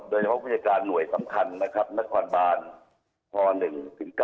โดยผู้บริจาคารหน่วยสำคัญนะครับนครบานภ๑ถึง๙